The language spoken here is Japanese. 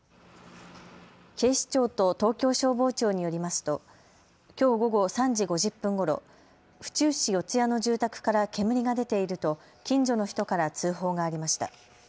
警視庁と東京消防庁によりますときょう午後３時５０分ごろ、府中市四谷の住宅から煙が出ていると近所の人から通報がありました。